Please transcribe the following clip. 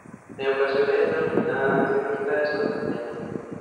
En ocasiones es denominada ermita de San Julián.